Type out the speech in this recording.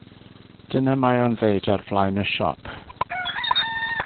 Dyna mae o'n ddeud ar flaen y siop.